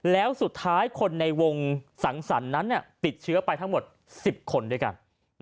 แล้วสุดท้ายคนในวงสังสรรค์นั้นติดเชื้อไปทั้งหมด๑๐คนด้วยกัน